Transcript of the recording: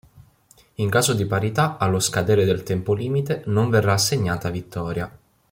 In caso di parità allo scadere del tempo limite non verrà assegnata vittoria.